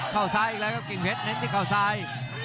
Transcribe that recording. เข้าซ้ายอีกแล้วครับกิ่งเพชรเน้นที่เข้าซ้าย